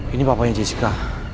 ini papanya jessica